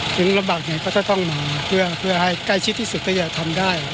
ถึงลำบากเนี่ยก็จะต้องมาเพื่อให้ใกล้ชิดที่สุดที่จะทำได้